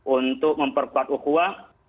untuk memperkuat ukua